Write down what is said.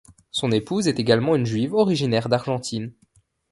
Son épouse est également une juive originaire d'Argentine.